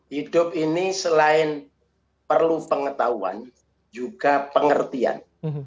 hidup ini selain perlu pengetahuan juga pengertian